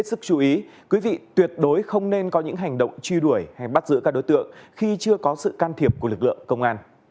tiệt đối không nên có những hành động truy đuổi hay bắt giữ các đối tượng khi chưa có sự can thiệp của lực lượng công an